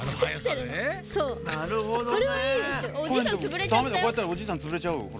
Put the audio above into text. ダメだこうやったらおじいさんつぶれちゃうよほら。